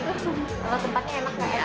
kalau tempatnya enak nggak ya